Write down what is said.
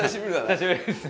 久しぶりです。